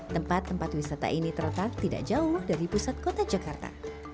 tempat tempat wisata ini terletak tidak jauh dari pusat kota jakarta